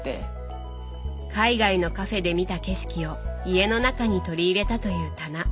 海外のカフェで見た景色を家の中に取り入れたという棚